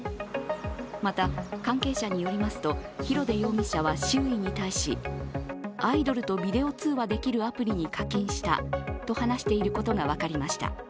また関係者によりますと廣出容疑者は周囲に対しアイドルとビデオ通話できるアプリに課金したと話していることが分かりました。